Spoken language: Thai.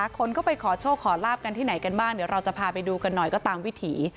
คนก็ไปขอโชคขอลาบกันที่ไหนกันบ้างเดี๋ยวเราจะพาไปดูกันหน่อยก็ตามวิถี